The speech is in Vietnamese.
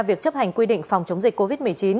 việc chấp hành quy định phòng chống dịch covid một mươi chín